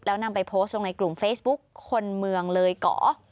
แล้วนำไปโพสต์ลงในกลุ่มเฟซบุ๊กคนเมืองเลยเกาะ